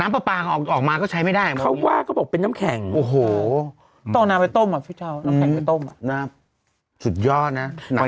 ตอนนี้พี่นามไปน้ำแข็งหมดหรอ